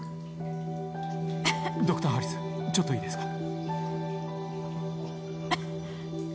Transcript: ドクターハリスちょっといいですか？